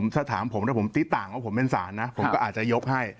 ถ้าถามผมถ้าผมตีต่างว่าผมเป็นศาลนะผมก็อาจจะยกให้